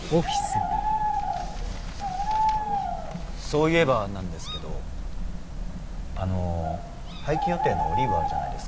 そういえばなんですけどあの廃棄予定のオリーブあるじゃないですか。